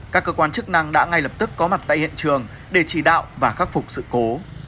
các cơ quan chức năng đã ngay lập tức có mặt tại hiện trường để chỉ đạo và khắc phục sự cố